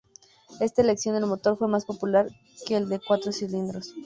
Esta elección del motor fue más popular que el de cuatro cilindros.